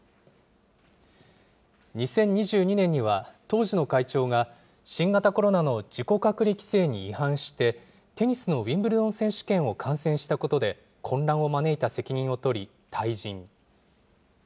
２０２２年には、当時の会長が、新型コロナの自己隔離規制に違反して、テニスのウィンブルドン選手権を観戦したことで、混乱を招いた責任を取り、退陣。